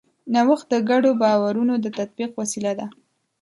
نوښت د ګډو باورونو د تطبیق وسیله ده.